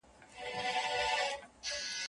د قلمونو کتابونو کیسې